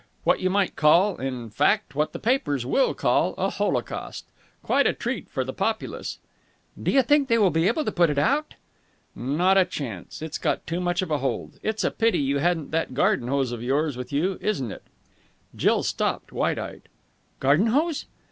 "What you might call in fact what the papers will call a holocaust. Quite a treat for the populace." "Do you think they will be able to put it out?" "Not a chance. It's got too much of a hold. It's a pity you hadn't that garden hose of yours with you, isn't it?" Jill stopped, wide eyed. "Garden hose?"